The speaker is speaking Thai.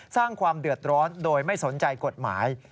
สร้างความเดือดร้อนโดยไม่สนใจกฎหมาย